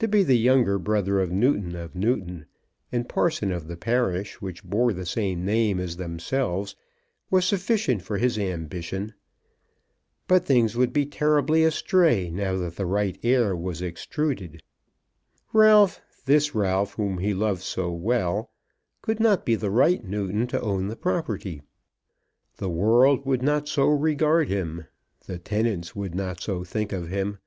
To be the younger brother of Newton of Newton, and parson of the parish which bore the same name as themselves, was sufficient for his ambition. But things would be terribly astray now that the right heir was extruded. Ralph, this Ralph whom he loved so well, could not be the right Newton to own the property. The world would not so regard him. The tenants would not so think of him.